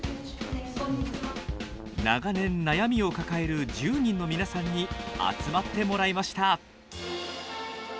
長年悩みを抱える１０人の皆さんに集まってもらいました。